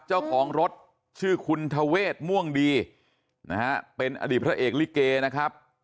เจ้าของรถชื่อคุณทเวศม่วงดีนะฮะเป็นอดีตพระเอกลิเกนะครับ